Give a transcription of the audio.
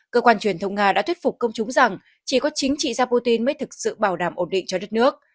cơ quan truyền thông nga đã thuyết phục công chúng rằng chỉ có chính trị gia putin mới thực sự bảo đảm ổn định cho đất nước